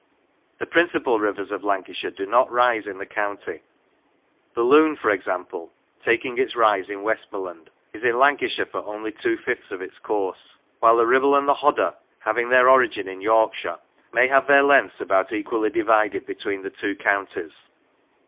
The principal rivers of Lancashire do not rise in the county; 114 The Rivers the Lune, for example, taking its rise in Westmorland, is in Lancashire for only two fifths of its course; while the Kibble and the Hodder, having their origin in Yorkshire, may have their lengths about equally divided between the two counties.